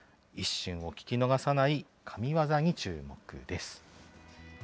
一瞬を聞き逃さない神業に注目です。